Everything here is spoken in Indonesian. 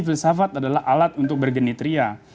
filsafat adalah alat untuk bergenitria